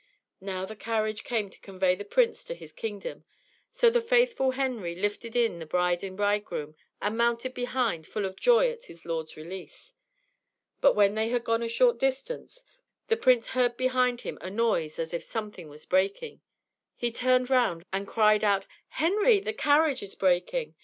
Now the carriage came to convey the prince to his kingdom, so the faithful Henry lifted in the bride and bridegroom, and mounted behind, full of joy at his lord's release. But when they had gone a short distance, the prince heard behind him a noise as if something was breaking. He turned round, and cried out, "Henry, the carriage is breaking!"